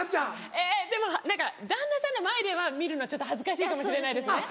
えぇでも何か旦那さんの前では見るのちょっと恥ずかしいかもしれないですね。